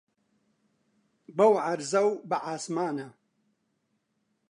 بەو عەرزە و بە عاسمانە